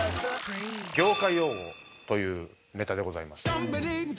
「業界用語」というネタでございます